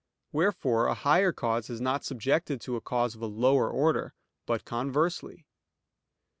Wherefore a higher cause is not subjected to a cause of a lower order; but conversely.